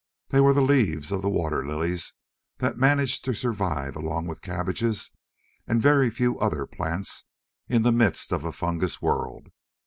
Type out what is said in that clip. They were the leaves of the water lilies that managed to survive along with cabbages and a very few other plants in the midst of a fungus world.